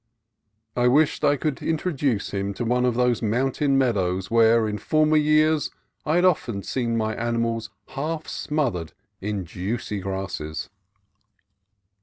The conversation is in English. I wished I could introduce him to one of those moun tain meadows where in former years I had often seen my animals half smothered in juicy grasses.